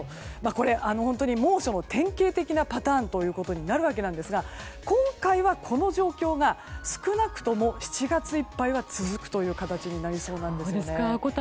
これは本当に猛暑の典型的なパターンになるわけですが今回はこの状況が少なくとも７月いっぱいは続くという形になりそうです。